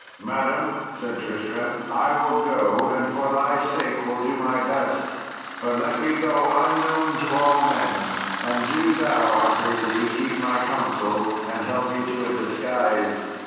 "Madam," said Tristram, "I will go, and for thy sake will do my best; but let me go unknown to all men; and do thou, I pray thee, keep my counsel, and help me to a disguise."